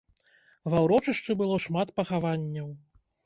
Ва ўрочышчы было шмат пахаванняў.